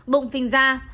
bụng phình ra